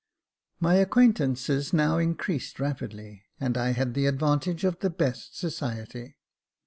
My acquaintances now increased rapidly, and I had the advantage of the best society.